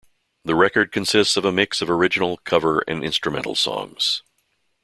The record consists of a mix of original, cover, and instrumental songs.